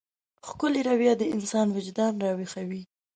ښکلې رويه د انسان وجدان راويښوي.